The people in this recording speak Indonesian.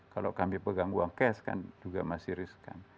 kalau kami pegang uang cash kan juga masih riskan